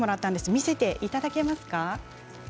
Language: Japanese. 見せていただけますか。